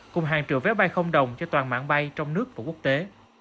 cùng hàng triệu vé bay không đồng cho toàn mạng bay trong nước và quốc tế